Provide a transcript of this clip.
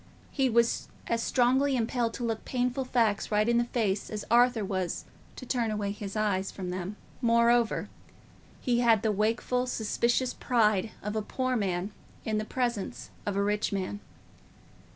He was as strongly impelled to look painful facts right in the face as Arthur was to turn away his eyes from them. Moreover, he had the wakeful suspicious pride of a poor man in the presence of a rich man.